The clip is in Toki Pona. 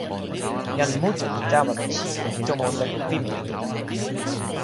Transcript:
jan mute li tawa lon sike pi tomo leko pimeja ni.